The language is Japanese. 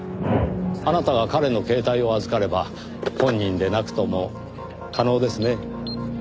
あなたが彼の携帯を預かれば本人でなくとも可能ですね。